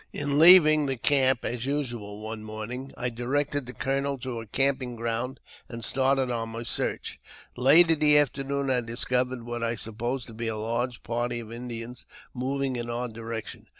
In leaving the camp, as usual, one morning, I directed the colonel to a camping ground, and started on my search. Late JAMES P. BECKWOUBTH. 407 in the afternoon, I discovered what I supposed to be a large party of Indians moving in our direction.